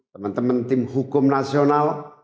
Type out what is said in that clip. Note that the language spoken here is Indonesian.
teman teman tim hukum nasional